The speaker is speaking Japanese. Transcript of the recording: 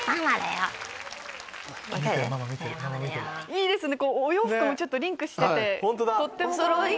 いいですね。